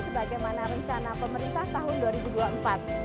sebagaimana rencana pemerintah tahun dua ribu dua puluh empat